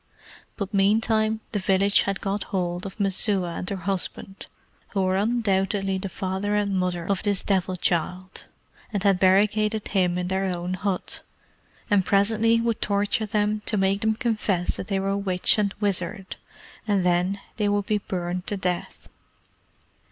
But meantime the village had got hold of Messua and her husband, who were undoubtedly the father and mother of this Devil child, and had barricaded them in their own hut, and presently would torture them to make them confess they were witch and wizard, and then they would be burned to death.